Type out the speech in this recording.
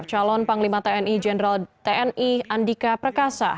calon panglima tni jenderal tni andika perkasa